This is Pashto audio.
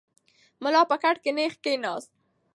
ملا په کټ کې نېغ کښېناست.